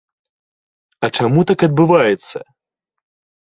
А чаму так адбываецца?